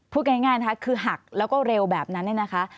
พูดง่ายนะคะคือหักแล้วก็เร็วแบบนั้นเนี่ยนะคะ